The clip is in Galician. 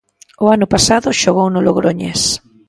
O ano pasado xogou no Logroñés.